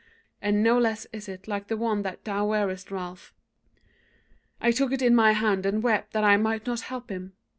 And no less is it like to the one that thou wearest, Ralph. "I took it in my hand and wept that I might not help him.